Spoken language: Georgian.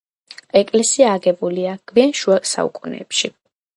ეკლესია აგებულია გვიანი შუა საუკუნეებში.